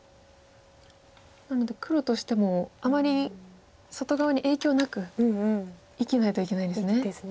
なので黒としてもあまり外側に影響なく生きないといけないですね。